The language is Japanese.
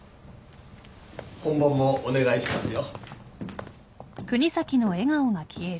本番もお願いしますよ。